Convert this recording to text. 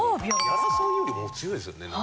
屋良さんよりもう強いですよね。